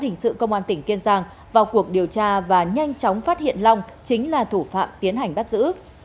hình sự công an tỉnh kiên giang vào cuộc điều tra và nhanh chóng phát hiện long chính là thủ phạm tiến hành bắt giữ